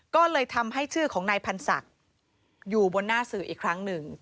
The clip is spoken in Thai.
ก็เลยทำให้ชื่อของนายพันศักดิ์อยู่บนหน้าสื่ออีกครั้งหนึ่ง